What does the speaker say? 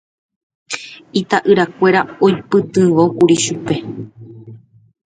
Ita'yrakuéra oipytyvõkuri ichupe